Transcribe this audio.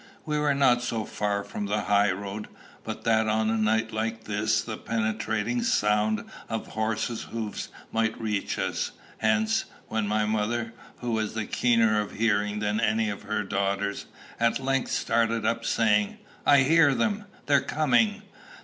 We were not so far from the high road, but that on a night like this the penetrating sound of a horse's hoofs might reach us. Hence, when my mother, who was keener of hearing than any of her daughters, at length started up, saying, "I hear them! They're coming!"